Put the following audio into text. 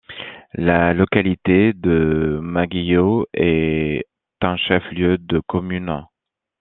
La localité de Maguéhio est un chef-lieu de commune.